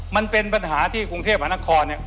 มันเป็นปัญหาที่กรุงเทพฯพนักคอเนี่ย